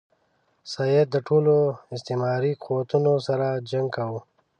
سید د ټولو استعماري قوتونو سره جنګ کاوه.